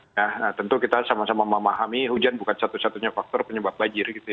nah tentu kita sama sama memahami hujan bukan satu satunya faktor penyebab banjir gitu ya